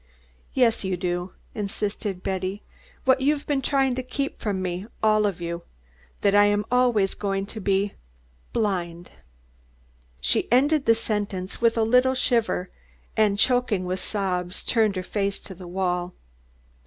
"Yes, you do," insisted Betty. "What you've been trying to keep from me, all of you, that I am always going to be blind!" She ended the sentence with a little shiver, and, choking with sobs, turned her face to the wall.